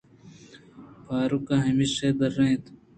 پاروک ءِ ھاشے درد ءَ اِنت۔